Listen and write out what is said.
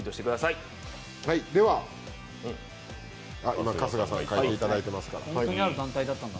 今、春日さん、書いていただいていますから。